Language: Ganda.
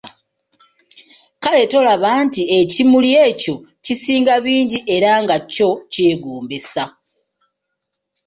Kale tolaba nti ekimuli ekyo kisinga bingi era nga kyo kyegombesa?